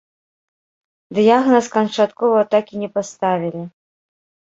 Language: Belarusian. Дыягназ канчаткова так і не паставілі.